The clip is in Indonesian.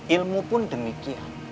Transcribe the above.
ilmu pun demikian